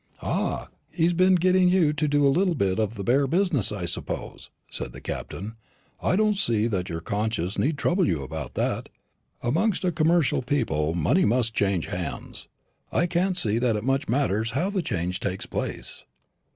"Ah, he's been getting you to do a little of the bear business, I suppose," said the Captain. "I don't see that your conscience need trouble you about that. Amongst a commercial people money must change hands. I can't see that it much matters how the change takes place."